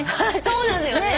そうなのよね。